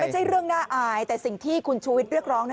ไม่ใช่เรื่องน่าอายแต่สิ่งที่คุณชูวิทย์เรียกร้องนะ